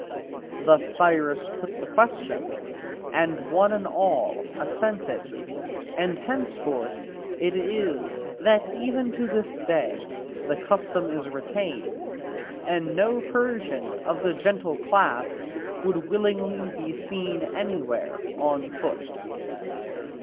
Thus Cyrus put the question, and one and all assented; and hence it is that even to this day the custom is retained, and no Persian of the gentle class would willingly be seen anywhere on foot.